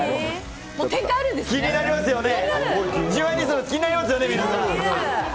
気になりますよね？